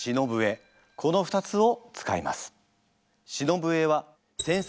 この２つを使います。